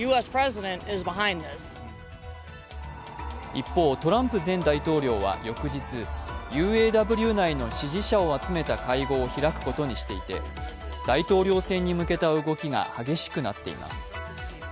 一方、トランプ前大統領は翌日、ＵＡＷ内の支持者を集めた会合を開くことにしていて、大統領選に向けた動きが激しくなっています。